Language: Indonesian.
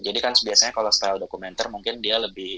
jadi kan biasanya kalau style dokumenter mungkin dia lebih